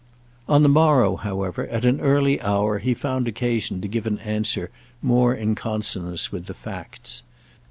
On the morrow, however, at an early hour, he found occasion to give an answer more in consonance with the facts.